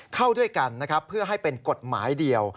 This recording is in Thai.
เข้าด้วยกันนะครับเพื่อให้เป็นกฎหมายเดียว